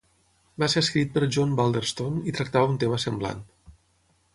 Va ser escrit per John Balderston i tractava un tema semblant.